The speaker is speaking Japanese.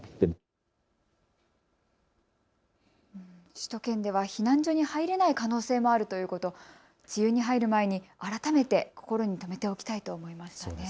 首都圏では避難所に入れない可能性もあるということ、梅雨に入る前に改めて心に留めておきたいと思いました。